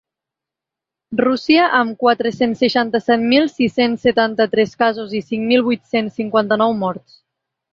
Rússia, amb quatre-cents seixanta-set mil sis-cents setanta-tres casos i cinc mil vuit-cents cinquanta-nou morts.